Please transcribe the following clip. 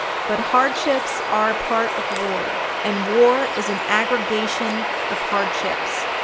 73. But hardships are part of war, and war is an aggregation of hardships.